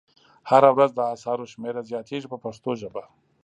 هره ورځ د اثارو شمېره زیاتیږي په پښتو ژبه.